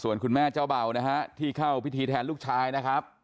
ส่วนคุณแม่เจ้าเบานะฮะที่เข้าพิธีแทนลูกชายนะครับ